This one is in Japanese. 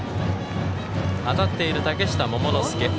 当たっている嶽下桃之介。